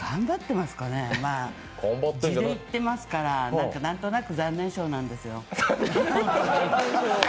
まあ、地でいってますからなんか何となく残念賞なんですよ。